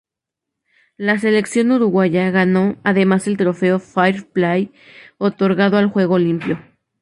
La selección uruguaya ganó además el trofeo Fair Play, otorgado al juego limpio.